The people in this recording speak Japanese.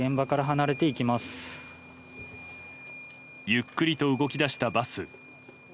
ゆっくりと動き出したバス。